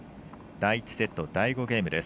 第１セット第５ゲームです。